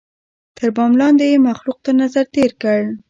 تر بام لاندي یې مخلوق تر نظر تېر کړ